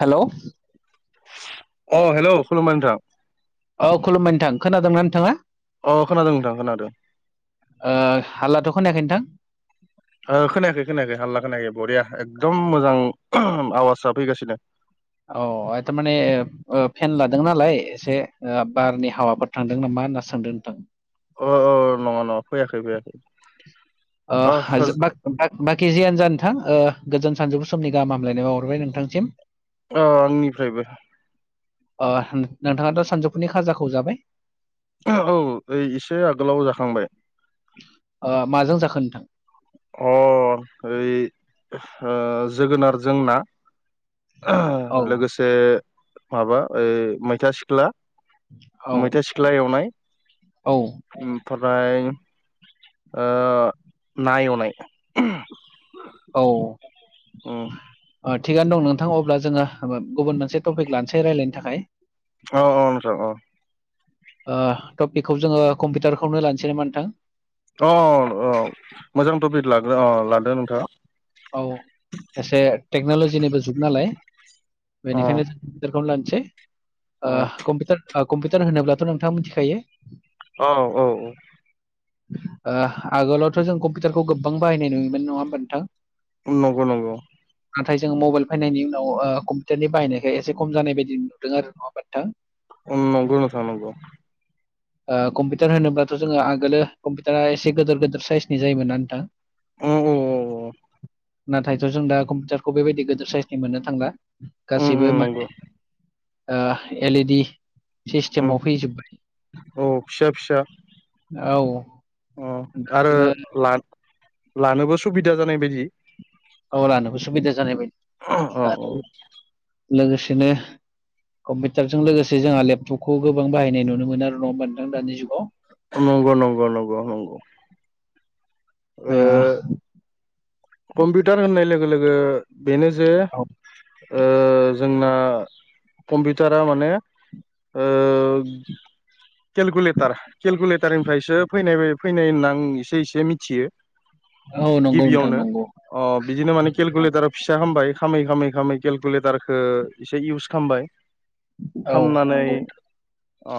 Hello अ hello खुलुमबाय नोंथां औ खुलुमबाय नोंथां खोनादोंना नोंथाङा? अ खोनादों नोंथां खोनादों ओ हाल्लाथ' खोनायाखै नोंथां ओ खोनायाखै खोनायाखै हाल्ला खोनायाखै बरिया एकदम मोजां आवाजआ फैगासिनो औ थारमाने ओ फेन लादों नालाय एसे बारनि हावाफोर थांदों नामा होनना सान्दों नोंथां अ अ नङा नङा फैयाखै फैयाखै ओ अ आज होज बा-बा-बाखि जियानो जा नोंथां ओ गोजोन सानजौफु समनि गाहाम हामलायनाय बावाहरबाय नोंथांसिम औ आंनिफ्रायबो ओ नोंथाङाथ' सानजौफुनि खाजाखौ जाबाय [unintelligible] औ ओइ एसे आगोलाव जाखांबाय ओ माजों जाखो नोंथां? अ ओइ ओ जोगोनारजों ना औ [unintelligible] लोगोसे माबा ओ मैथा सिख्ला औ मैथा सिख्ला एवनाय। औ ओम ओमफ्राय ओ ना एवनाय औ ओम थिगानो दं नोंथां अब्ला जोङो गुबुन मोनसे टपिक लानसै रायलायनो थाखाय औ औ नोंथां औ ओ टपिकखौ जोङो कम्पिउटारखौनो लानसै नामा नोंथां अ अ मोजां टपिक लाग्रो अ ला औ औ एसे टेक्न'लजिनिबो जुग नालाय अ बेनिखायनो जों कम्पिउटारखौ लानोसै ओ अ कम्पिटार ओ कम्पि टार होनोब्लाथ' नोंथाङा मोनथिखायो औ औ औ ओ आगोलावथ' जों कम्पिउटारखौ गोबां बाहायनाय नुयोमोन नङा होमबा नोंथां नंगौ नंगौ नाथाय जोङो मबाइल फैनायनि उनाव ओ कम्पिउटारनि बायनायखाय एसे खम जानाय बायदि नुदों आरो नङा होनबा नोंथां? ओम नंगौ नोंथां नगौ। ओ कम्पिउटार होनोब्लाथ' जोङो आगोलो कम्पिउटारा एसे गिदोर गिदोर साइसनि जायोमोन ना नोंथां। उम औ औ नाथायथ' जों दा कम्पिउटारखौ बेबायदि गिदिर साइसनि मोननो थांला। उम उम गासैबो नंगौ माने ओ एलइडि उम सिस्टेमाव फैजोब्बाय औ फिसा फिसा औ अ दा आरो जोङो ला-लानोबो सुबिदा जानाय बायदि। औ लानोबो सुबिदा जानाय बायदि। औ आरो औ। लोगोसेनो कम्पिउटारजों लोगोसे जोंहा लेपटपखौ गोबां बाहायनाय नुनो मोनो आरो नङा होनबा नोंथां दानि जुगाव नंगौ नंगौ नंगौ नंगौ। ओ कम्पिउटार होननाय लोगो लोगो बेनो जे औ ओ जोंना कम्पिउटारा माने, ओ केलकुलेटार केलकुलेटारनिफ्रायसो फैनाय फैनाय होनना आं इसे इसे मिथियो। औ नंगौ नोंथां गिबियावनो नंगौ। अ बिदिनो माने केलकुलेटाराव फिसा खामबाय खामै खालामै खालामै केलकुलेटारखो एसे इउस खालामबाय औ खामनानै नंगौ अ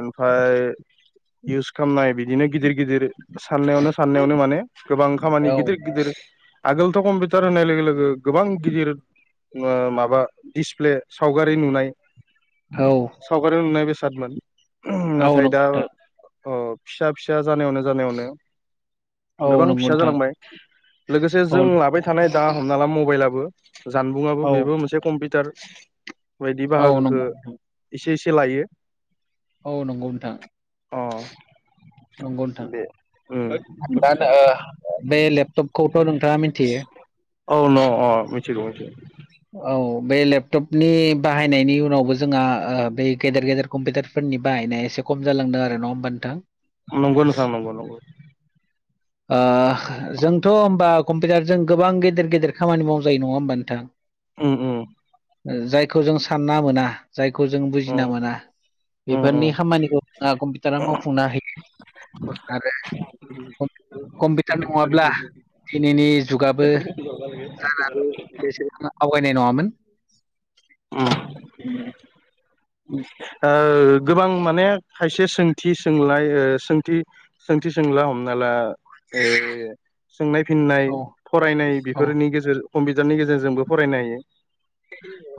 ओमफाय इउस खालामनाय बिदिनो गिदिर गिदिर साननायावनो साननायावनो माने गोबां खामानि नोंथां गिदिर गिद आगोलथ' कम्पिउटार होनाय लोगो लोगो गोबां गिदिर ओ माबा दिसप्ले सावगारि नुनाय औ [inaudible] सावगारियाव नुनाय बेसादमोन। औ नाथाय दा नंगौ नोंथां। अ फिसा फिसा जानायावनो जानायावनो [inaudible] औ गोबां नंगौ फिसा नोंथां जालांबाय। लोगोसे जों औ लाबाय थानाय दा हमना ला मबाइलाबो जानबुङाबो औ मोनसे कम्पिउटार बायदि औ नंगौ बाहागोखौ नोंथां एसे एसे सोलायो औ नंगौ नोंथां। अ नंगौ नोंथां [inaudible] दे ओम दा ओ बे लेपटपखौथ नोंथाङा मिथियो। औ न- अ मिथिगौ मिथि औ बे लेपटपनि बाहायनायनि उनावबो जोंहा ओ बे गेदेर गेदेर कम्पिउटारफोरनि बाहायनाय एसे खम जालांदों आरो ना होमबा नोंथां? नंगौ नोंथां नंगौ नंगौ। ओ जोंथ' होमबा कम्पिउटारजों गोबां गेदेर गेदेर खामानि मावजायो नङा होमबा नोंथां? उम उम ओ जायखौ जों सानना मोना जायखौ जों उम बुजिना मोना उम उम बेफोरनि खामानिखौ जोंहा कम्पिउटारा मावफुंना होयो। [inaudible] आरो [inaudible] कम्पिउटार नङाब्ला, दिनैनि जुगाबो [unintelligible] बे सिम आवगायनाय नङामोन। उम उम ओ गोबां माने खायसे सोंथि सोंलायथि सोंथि सोंला होमबाना ओ सोंनाय फिननाय औ फरायनाय औ बेफोरनि गेजेर कम्पिउटारनि गेजेरजोंबो फरायनो हायो।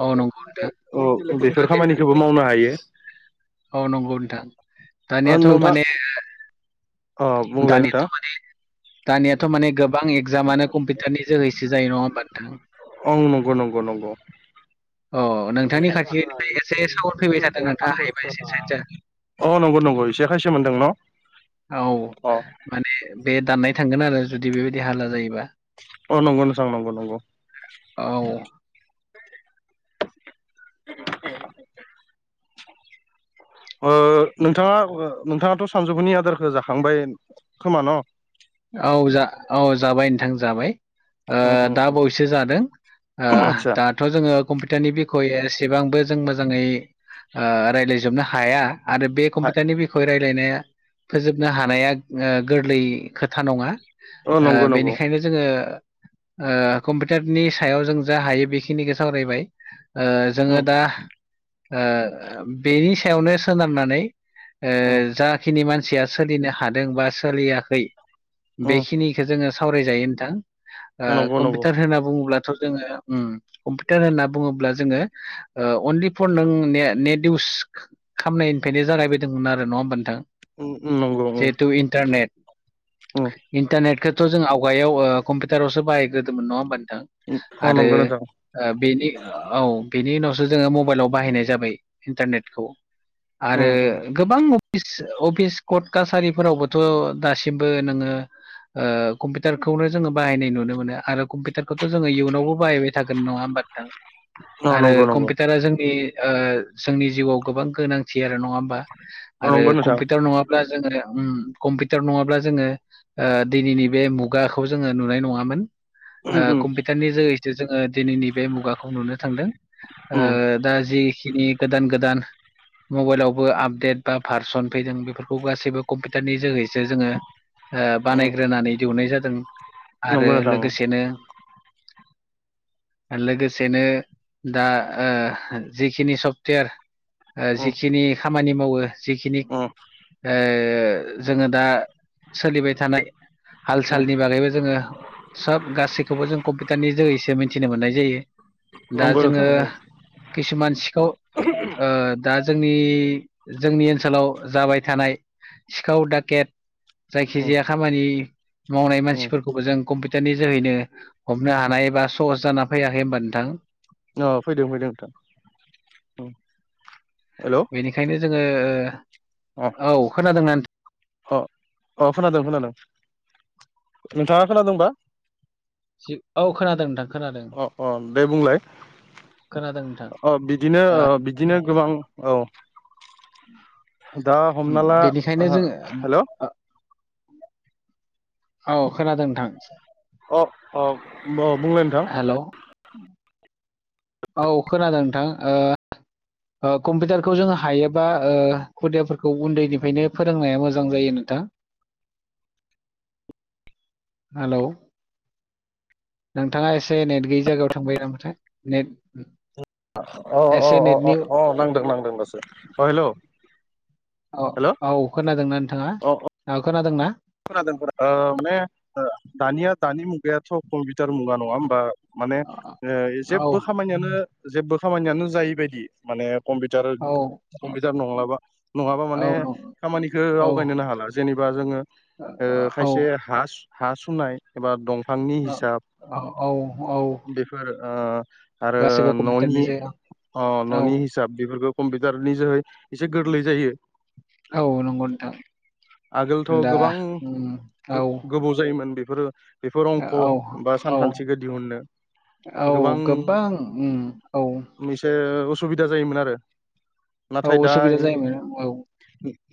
औ नंगौ नोंथां [inaudible] औ बेफोर खामानिखौबो मावनो हायो। औ नंगौ नोंथां ओ दानियाथ नोंथां माने अ बुंलाय नोंथां दानियाथ माने दानियाथ माने गोबां एगजामानो कम्पिउटारनि जोहैसो जायो नङा होमबा नोंथां? औ नंगौ नंगौ नंगौ अ नोंथांनि खाथिनिफ्राय एसे सावर फैबाय थादों नोंथाङा हायोबा एसे सायदजा । अ नंगौ नंगौ इसे खायसो मोन्दों न? औ अ माने बे दाननाय थांगोन आरो जुदि बेबायदि हाल्ला जायोबा । अ नंगौ नोंथां नंगौ नंगौ । औ [unintelligible] ओ नोंथाङा नोंथाङाथ सानजौफुनि आदारखौ जाखांबाय खोमा न? औ जा औ जाबाय नोंथां जाबाय । उम ओ उम दा उम बाउयैसो जादों ओ आतसा दाथ जोङो कम्पिउटारनि बिखय एसेबांबो जों मोजाङै रायज्लायजोबनो हाया । आरो बे कम्पिउटारनि बिखय रायज्लायनाया फोजोबनो हानाया गोरलै खोथा नङा औ ओ नंगौ नंगौ बेनिखायनो जोङो ओ कम्पिउटारनि सायाव जों जा हायो बेखिनिखौ सावरायबाय । ओ जोङो उम दा ओ बेनि सायावनो सोनारनानै ओ उम आ जाखिनि मानसिया सोलिनो हादों बा सोलियाखै । उम बेखिनिखौ जोङो सावरायजायो नोंथां ओ नंगौ नंगौ कम्पिउटार होनना बुङो जोङो उम्म कम्पिउटार होनना बुङोब्ला जोङो ओ अनलि फर नों ने नेट इउस खालामनायनिफ्रायनो जागायबोदोंमोन आरो नङा होमबा नोंथां उम उम नंगौ उम जिहेथु इन्टारनेट उम इन्टारनेटखौथ जों आवगायाव ओ कम्पिउटारावसो बाहायग्रोदोंमोन नङा होमबा? नोंथां अ आरो नंगौ नोंथां ओ बिनि औ बेनि उनाव जोङो मबाइलाव बाहायनाय जाबाय इन्टारनेखौ उम आरो उम गोबां अफस अफिस कर्ट कासारिफोरावबोथ दासिमबो नोङो ओ कम्पिउटारखौनो जोङो बाहायनाय नुनो मोनो आरो कम्पिउटारखौथ जोङो इयुनावबो बाहायबाय थागोन नङा होमबा नोंथां अ आरो नंगौ नंगौ कम्पिउटारा जोंनि ओ जोंनि जिउआव गोबां गोनांथि आरो नङा होमबा आरो नंगौ नोंथां कम्पिउटार नङाब्ला जोङो उम्म कम्पिउटार नङाब्ला जोङो ओ दिनैनि बे मुगाखौ जोङो नुनाय नङामोन । उम ओ उम कम्पिउटारनि जोहैसो जोङो दिनैनि बे मुगाखौ नुनो थांदों । उम ओ दा जिखिनि गोदान गोदान मबाइलावबो आपडेट बा भारसन फैदों बेफोरखौ गासैबो कम्पिउटारनि जोहैसो जोङो ओ उम बानायग्रोनानै दिहुननाय जादों आरो नंगौ नोंथां उम लोगोसेनो [unintelligible] लोगोसेनो दा ओ जिखिनि सफ्टवेर ओ जिखिनि खामानि मावो जिखिनि उम ओ जोङो दा सोलिबाय थानाय हाल उम सालनि बागैबो जोङो सब गासैखौबो जों कम्पिउटारनि जोहैसो मिथिनो मोननाय जायो । दा नंगौ जोङो नोंथां उम खिसुमानसिखौ ओ दा जोंनि जोंनि ओनसोलाव जाबाय थानाय सिखाव दाखेट उम जायखिजाया खामानि मावनाय उम मानसिफोरखौबो जों कम्पिउटारनि जोहैनो हमनो हानाय एबा सहस जाना फैयाखै होमबा नोंथां? अ फैदों फैदों नोंथां । बेनिखायनो जोङो ओ औ खोनादोंना नोंथ अ अ खोनादों खोनादों नोंथाङा खोनादोंबा? जि औ खोनादों नोंथां खोनादों खोनादों अ खोनादों । ओ बिदिनो ओ बिदिनो गोबां औ । दा हमनाला बेनिखायनो ओ जोङो हेल औ खोनादों नोंथां । अ अ औ बुंलाय नोंथां । हेल' [unintelligible] औ खोनादों नोंथां ओ ओ कम्पिउटारखौ जोङो हायोबा ओ खुदियाफोरखौ उन्दैनिफ्रायनो फोरोंनाया मोजां जायो नोंथां। हा। [inaudible] हेलौ। नोंथाङा एसे नेट गैयि जायगायाव थांबाय नामाथाय नेट अ अ अ एसे अ अ नेटनि अ नांदों नांदों दासो ओ हेलौ औ औ खोनादोंना नोंथाङा अ औ खोनादोंना? खोनादों खोनादों ओ माने दानिया दानि मुगायाथ कम्पिउटार मुगा नङा होमबा? माने औ ओ औ जेबबो खामानियानो जेबो खामानियानो जायैबायदि माने कम्पिटार औ कम्पिटार नंलाबा नङाबा माने न खामानिखौ औ आवगायनोनो हाला जेनेबा जोङो। ओ औ खायसे हा सु हा सुनाय एबा दंफांनि हिसाब औ औ औ बेफोर ओ आरो गासैबो कम्पिउटारनि ननि। जायगा अ औ ननि हिसाब बेफोरखौ कम्पिउटार नि जोहै। एसे गोरलै जायो औ नंगौ नोंथां आगोल थ दा गोबां उम गो औ गोबौ जायोमोन बेफोरो। बेफोर अंक' औ बा औ सानखान्थिखो दिहुन्नो। औ गोबां उम औ एसे उसुबिदा जायोमोन आरो। औ नाथाय दा उसुबिदा ए जायोमोन औ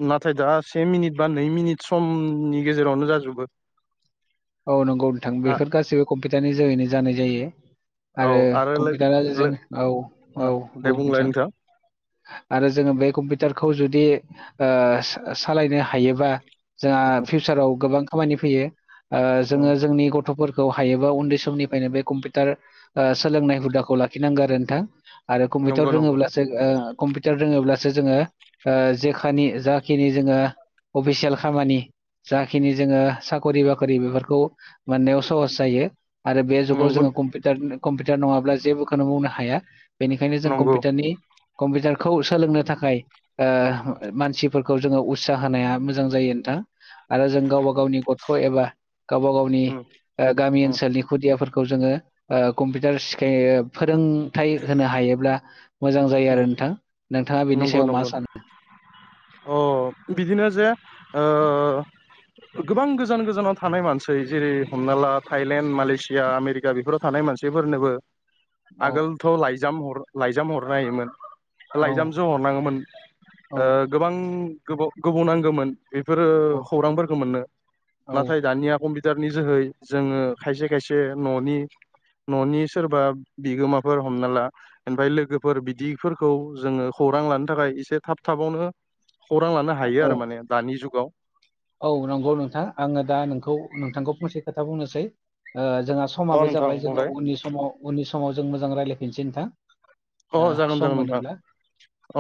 नाथाय दा से मिनिट बा नै मिनिट समनि गेजेरावनो जाजुबो। औ नंगौ नोंथां बेफोर गासिबो कम्पिउटारनि जोहैनो जानाय जायो। आरो कम्पिउटारा जों औ औ दे बुं नों बुंलाय थां। नोंथां आरो जोङो बे कम्पिउटारखौ जुदि ओ सा सालायनो हायोबा जोंहा फिउसाराव गोबां खामानि फैयो ओ जोङो जोंनि गथ'फोर खौ हायोबा उन्दै समनिफायनो बे कम्पिउटार ओ सोलोंनाय हुदाखौ लाखिनांगो आरो नोंथां। आरो नंगौ कम्पिउटार नंगौ रोङोब्लासो ओ कम्पिउटार रोङोब्लासो जोङो ओ जेखानि जाखिनि जोङो अफिसियेल खामानि जाखिनि जोङो साखरि बाखरि बेफोरखौ मोननायाव सहस जायो। आरो बे जुगाव नंगौ जोङो कम्पिउटार कम्पिउटार नङाब्ला जेबोखोनो मावनो हाया। बेनिखायनो जों नंगौ कम्पिउटारनि कम्पिउटारखौ सोलोंनो थाखाय ओ मानसिफोर खौ जोङो उत्साह होनाया मोजां जायो नोंथां आरो जों गावबा गावनि गथ' एबा गावबा गावनि ओ गामि अ ओनसोलनि खुदियाफोरखौ जोङो ओ कम्पिउटार सिखाय ओ फो रोंथाइ होनो हायोब्ला मोजां जायो अ आरो नों थां नोंथाङा बेनि नंगौ सायाव मा नंगौ सानो? अ बिदिनो जे ओ गोबां गोजान गोजानाव थानाय मानसै जेरै हमना ला थाइलेणड मालेसिया आमेरिका बेफोराव थानाय मा मानसिफोरनोबो औ आगोलथ' लाइजाम हर लाइजाम हरनो हायोमोन। औ लायजामजो हरनाङोमोन औ ओ गोबां गोबाव गोबाव नांगोमोन। बेफोरो औ खौरांफोरखो मोननो औ नाथाय दानिया कमपि पिटारनि जोहै जोङो खायसे खायसे न'नि न'नि सोरबा बिगोमाफोर हमना ला ओमफाय लोगोफो फोर बिदिफोरखौ जोङो खौरां लानो थाखाय एसे थाब थाबावनो खौरां लानो हायो औ आरो माने दानि जुगाव। औ नंगौ नोंथां आङो दा नोंखौ नोंथांखौ फंसे खोथा बुंनोसै। ओ जोङा अ समाबो नोंथां जाबाय जोङो बुंलाय उननि समाव उननि समाव जों मोजां रायलायफिनसै नोंथां। ओ अ' जागोन सम जागोन नोंथां। मोनोब्ला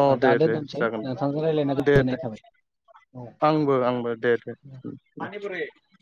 अ ओ, दे दा दे दोनथ'सै जागोन नोंथांजों रायज्लायना दे दे गोजोननाय थाबाय आंबो आंबो दे। दे दे औ उम उम ।